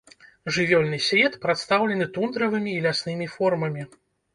Жывёльны свет прадстаўлены тундравымі і ляснымі формамі.